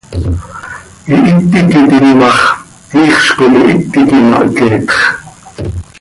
Ihít iiqui tiin ma x, iixz com ihít iiqui mahqueetx.